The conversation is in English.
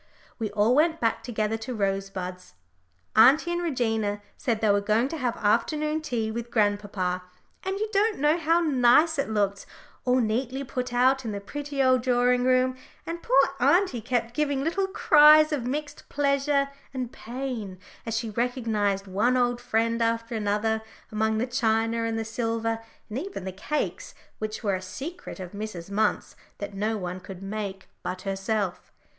We all went back together to Rosebuds. Auntie and Regina said they were going to have afternoon tea with grandpapa, and you don't know how nice it looked, all neatly put out in the pretty old drawing room, and poor auntie kept giving little cries of mixed pleasure and pain as she recognised one old friend after another among the china and the silver, and even the cakes, which were a secret of Mrs. Munt's that no one could make but herself.